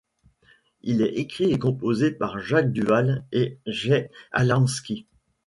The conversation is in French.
Il est écrit et composé par Jacques Duvall et Jay Alanski.